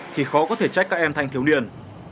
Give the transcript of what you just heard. thì khó có thể trách các em thanh thiếu niên